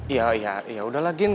ya ya yaudah lah gin